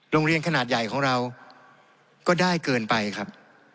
โรงเรียนขนาดใหญ่ของเราก็ได้เกินไปครับ